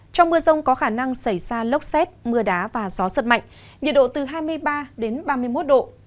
trong mưa rông có khả năng xảy ra lốc xét mưa đá và gió giật mạnh nhiệt độ từ hai mươi ba đến ba mươi một độ